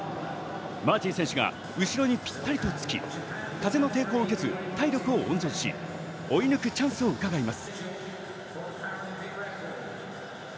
マーティン選手の後ろにぴったりとつき、風の抵抗を受けず、体力を温存し追い抜くチャンスをうかがいます。